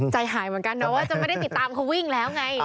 ใจหายเหมือนกันนะว่าจะไม่ได้ติดตามเขาวิ่งแล้วไง